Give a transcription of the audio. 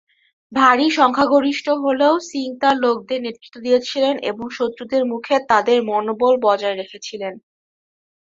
ভারী সংখ্যাগরিষ্ঠ হলেও সিং তাঁর লোকদের নেতৃত্ব দিয়েছিলেন এবং শত্রুদের মুখে তাদের মনোবল বজায় রেখেছিলেন।